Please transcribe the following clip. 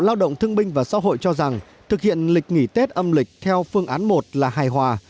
bộ lao động thương binh và xã hội cho rằng thực hiện lịch nghỉ tết âm lịch theo phương án một là hài hòa